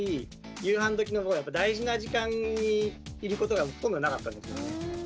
夕飯どきの大事な時間にいることがほとんどなかったんですよね。